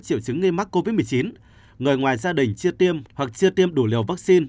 triệu chứng nghi mắc covid một mươi chín người ngoài gia đình chưa tiêm hoặc chưa tiêm đủ liều vaccine